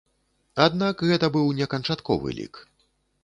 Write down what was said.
Аднак гэта быў не канчатковы лік.